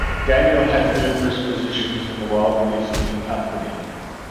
Daniel has had numerous positions in the Walt Disney Company.